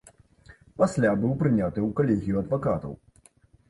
Пасля быў прыняты ў калегію адвакатаў.